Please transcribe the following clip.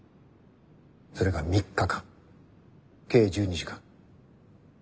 それが３日間計１２時間。